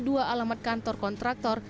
dua alamat kantor kontraktor